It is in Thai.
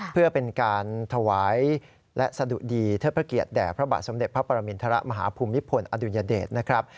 เพื่อเป็นการถวายและสะดุดีเทิดพระเกียรติแด่พระบาทสมเด็จพระปรมินทรมาฮภูมิพลอดุญเดชนะครับ